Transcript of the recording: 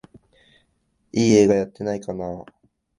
いい映画やってないかなあ